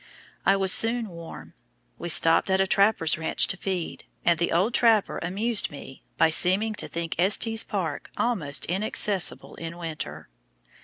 I was soon warm. We stopped at a trapper's ranch to feed, and the old trapper amused me by seeming to think Estes Park almost inaccessible in winter.